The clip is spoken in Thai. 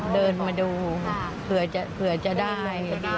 เดินมาดูเผื่อจะได้